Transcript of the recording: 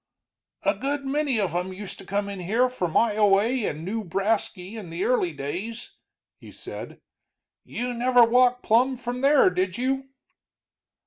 "A good many of 'em used to come in here from Ioway and Newbrasky in the early days," he said. "You never walked plumb from there, did you?"